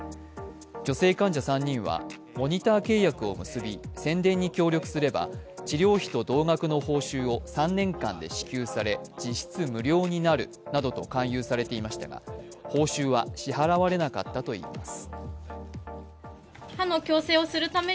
女性患者３人はモニター契約を結び宣伝に協力すれば治療費と同額の報酬を３年間で支給され実質無料になるなどと勧誘されていましたが報酬は支払われなかったといいます。